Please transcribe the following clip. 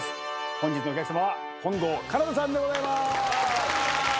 本日のお客さまは本郷奏多さんでございます。